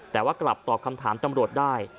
แต่ว่ากลับตอบคำถามตำรวจได้